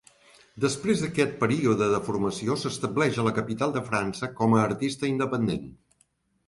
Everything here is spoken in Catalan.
Després d'aquest període de formació, s'estableix a la capital de França com a artista independent.